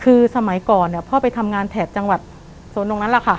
คือสมัยก่อนเนี่ยพ่อไปทำงานแถบจังหวัดโซนตรงนั้นแหละค่ะ